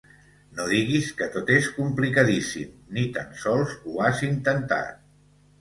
No diguis que tot és complicadíssim, ni tan sols ho has intentat!